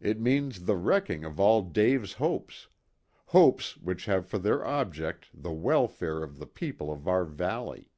It means the wrecking of all Dave's hopes hopes which have for their object the welfare of the people of our valley.